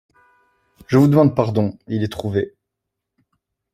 Je vous demande pardon, il est trouvé.